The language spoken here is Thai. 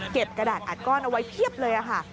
กระดาษอัดก้อนเอาไว้เพียบเลยค่ะ